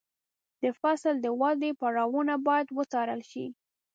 د فصل د ودې پړاوونه باید وڅارل شي.